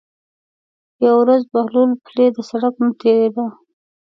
یوه ورځ بهلول پلي د سړک نه تېرېده.